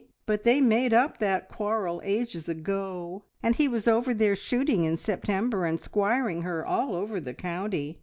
But they made up that quarrel ages ago, and he was over there shooting in September and squiring her all over the county.